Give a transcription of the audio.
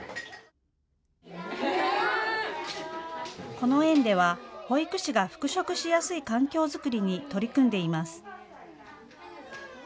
この園では保育士が復職しやすい環境作りに取り組んでいます。